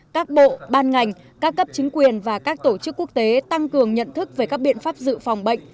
các bộ ban ngành các cấp chính quyền và các tổ chức quốc tế tăng cường nhận thức về các biện pháp dự phòng bệnh